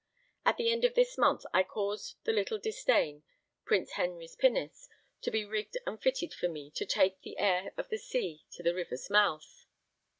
In the end of this month I caused the little Disdain, Prince Henry's pinnace, to be rigged and fitted for me to take the air of the sea to the river's mouth.